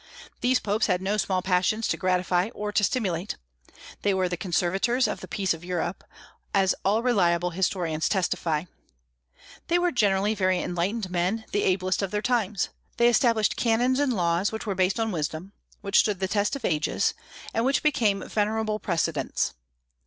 These popes had no small passions to gratify or to stimulate. They were the conservators of the peace of Europe, as all reliable historians testify. They were generally very enlightened men, the ablest of their times. They established canons and laws which were based on wisdom, which stood the test of ages, and which became venerable precedents.